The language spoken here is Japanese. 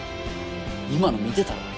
今の見てたろ？